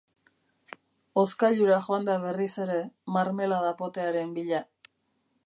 Hozkailura joan da berriz ere, marmelada potearen bila.